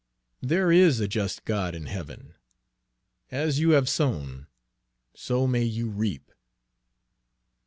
There is a just God in heaven! as you have sown, so may you reap!"